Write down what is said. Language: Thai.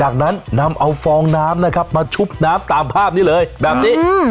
จากนั้นนำเอาฟองน้ำนะครับมาชุบน้ำตามภาพนี้เลยแบบนี้